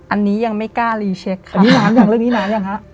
อันนี้ยังไม่กล้ารีเช็คค่ะ